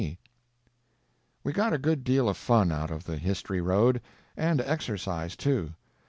Summer of 1899. We got a good deal of fun out of the history road; and exercise, too.